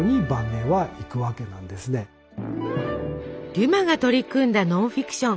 デュマが取り組んだノンフィクション。